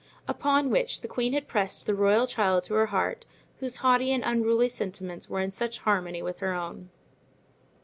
Upon which the queen had pressed the royal child to her heart, whose haughty and unruly sentiments were in such harmony with her own.